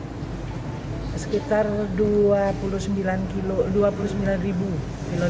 dua puluh sembilan kilo liter supaya cukup tapi belum disetujui belum surat dari pak gubernur itu sudah